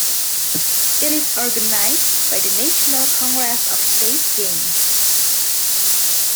It is organized by the National Congress of State Games.